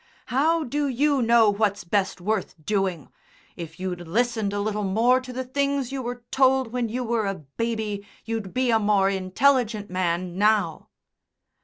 How do you know what's best worth doing? If you'd listened a little more to the things you were told when you were a baby, you'd be a more intelligent man now."